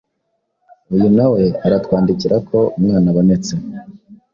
uyu nawe aratwandikira ko umwana abonetse